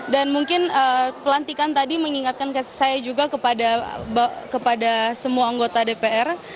dan mungkin pelantikan tadi mengingatkan saya juga kepada semua anggota dpr